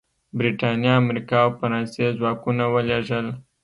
برېټانیا، امریکا او فرانسې ځواکونه ولېږل.